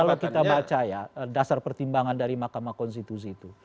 kalau kita baca ya dasar pertimbangan dari mahkamah konstitusi itu